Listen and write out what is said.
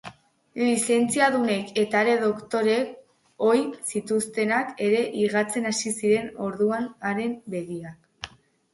Lizentziadunek eta are doktoreek ohi zituztenak ere higatzen hasi ziren orduan haren begiak.